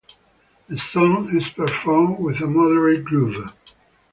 The song is performed with a moderate groove.